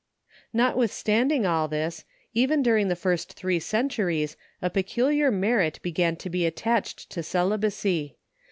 Notwithstanding all this, even during the first three centuries, a peculiar merit began to be attached to celibacy.